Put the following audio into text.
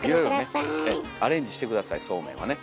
いろいろねアレンジして下さいそうめんはね。